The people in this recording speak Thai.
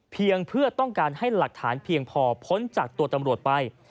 เพียงเพื่อต้องการให้หลักฐานเพียงพอพ้นจากตัวตำรวจไป